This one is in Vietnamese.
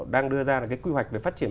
đang đưa ra được cái quy hoạch về phát triển